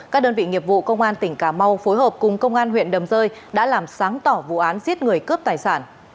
các đơn vị nghiệp vụ công an tỉnh cà mau phối hợp cùng công an huyện đầm rơi đã làm sáng tỏ vụ án giết người cướp tài sản